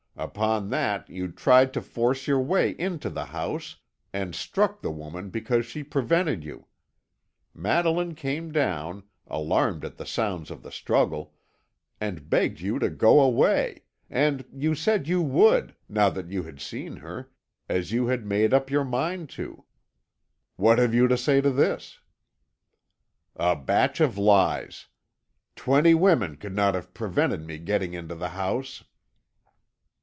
Upon that you tried to force your way into the house, and struck the woman because she prevented you. Madeline came down, alarmed at the sounds of the struggle, and begged you to go away, and you said you would, now that you had seen her, as you had made up your mind to. What have you to say to this?" "A batch of lies. Twenty women could not have prevented me getting into the house."